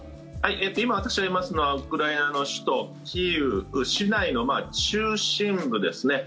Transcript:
今、私がいますのはウクライナの首都キーウ市内の中心部ですね。